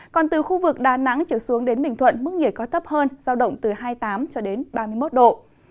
còn từ khu vực đà nẵng trở xuống đến bình thuận mức nhiệt có thấp hơn giao động từ hai mươi tám cho đến ba mươi một độ